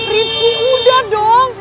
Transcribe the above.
review udah dong